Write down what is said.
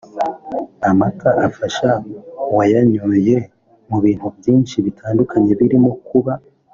Amata afasha uwayanyoye mu bintu byinshi bitandukanye birimo kuba